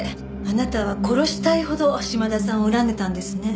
あなたは殺したいほど島田さんを恨んでいたんですね。